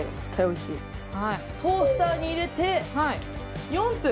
トースターに入れて４分。